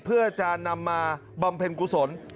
เพื่อจะนำมาบำเพ็ญกุศล